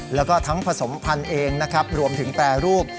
แล้วก็ทั้งผสมพันธุ์เองนะครับรวมถึงแปรรูป